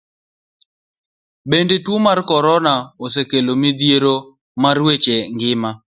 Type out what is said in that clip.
Bende, tuo mar korona osekelo midhiero mar weche ngima.